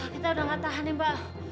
kita udah gak tahanin mba